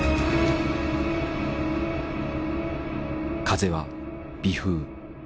風は微風。